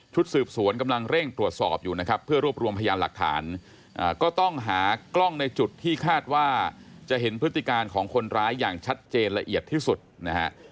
สืบสวนกำลังเร่งตรวจสอบอยู่นะครับเพื่อรวบรวมพยานหลักฐานก็ต้องหากล้องในจุดที่คาดว่าจะเห็นพฤติการของคนร้ายอย่างชัดเจนละเอียดที่สุดนะฮะ